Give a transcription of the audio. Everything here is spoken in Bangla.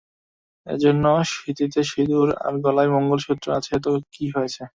এজন্য, সিথিতে সিঁদুর আর গলায় মঙ্গলসূত্র আছে তো কি হয়েছে।